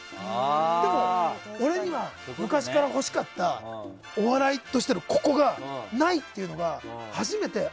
でも、俺には昔から欲しかったお笑いとしてのここがないというのが初めて。